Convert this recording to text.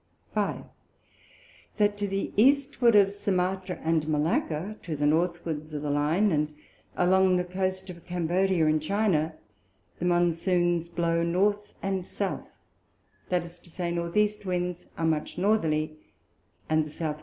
5. That to the Eastward of Sumatra and Malacca, to the Northwards of the Line, and along the Coast of Cambodia and China, the Monsoons blow North and South, that is to say, the N. E. Winds are much Northerly, and the S. W.